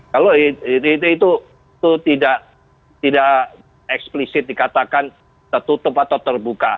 kalau itu tidak eksplisit dikatakan tertutup atau terbuka